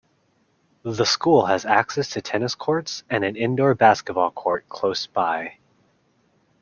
The school has access to tennis courts and an indoor basketball court close by.